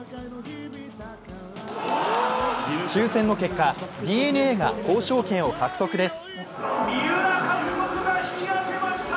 抽選の結果、ＤｅＮＡが交渉権を獲得です。